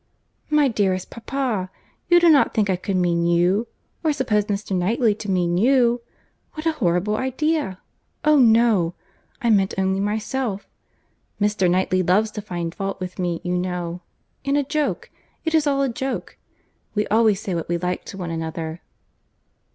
"My dearest papa! You do not think I could mean you, or suppose Mr. Knightley to mean you. What a horrible idea! Oh no! I meant only myself. Mr. Knightley loves to find fault with me, you know—in a joke—it is all a joke. We always say what we like to one another."